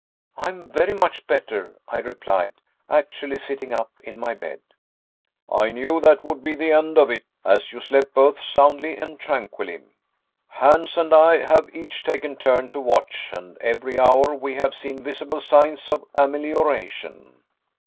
"I am very much better," I replied, actually sitting up in my bed. "I knew that would be the end of it, as you slept both soundly and tranquilly. Hans and I have each taken turn to watch, and every hour we have seen visible signs of amelioration."